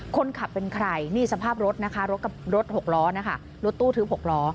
คนขับเป็นใครนี่สภาพรถนะคะรถกับรถหกล้อนะคะรถตู้ทึบ๖ล้อ